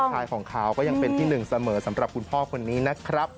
ชายของเขาก็ยังเป็นที่หนึ่งเสมอสำหรับคุณพ่อคนนี้นะครับ